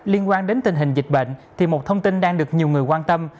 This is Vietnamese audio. liên quan đến tình hình dịch bệnh thì một thông tin đang được nhiều người quan tâm